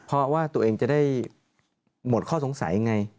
เพราะว่าตัวเองจะได้หมดข้อสงสัยไง